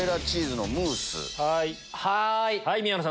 はい！